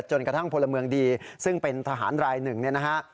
จนกระทั่งพลเมืองดีซึ่งเป็นทหารรายหนึ่งเนี่ยนะฮะ